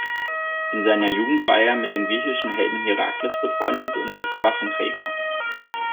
In seiner Jugend war er mit dem griechischen Helden Herakles befreundet und dessen Waffenträger.